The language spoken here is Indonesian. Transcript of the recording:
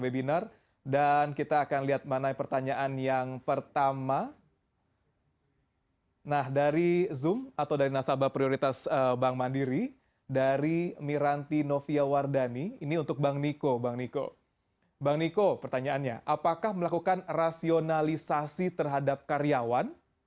bang niko pertanyaannya apakah melakukan rasionalisasi terhadap karyawan